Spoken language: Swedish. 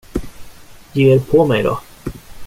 Ge er på mig då.